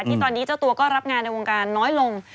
ที่ตอนนี้เจ้าตัวก็รับงานในวงการน้อยลง